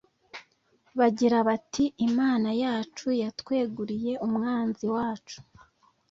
bagira batiimana yacu yatweguriye umwanzi wacu